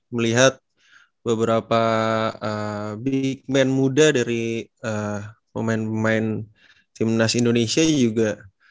melihat beberapa big man muda dari pemain pemain timnas indonesia juga